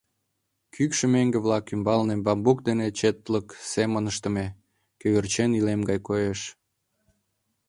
Кӱкшӱ меҥге-влак ӱмбалне бамбук дене четлык семын ыштыме, кӧгӧрчен илем гай коеш.